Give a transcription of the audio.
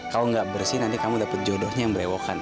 kalau nggak bersih nanti kamu dapat jodohnya yang berewokan